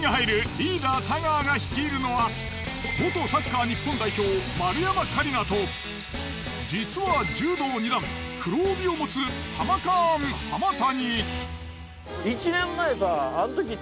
リーダー太川が率いるのは元サッカー日本代表丸山佳里奈と実は柔道二段黒帯を持つハマカーン浜谷。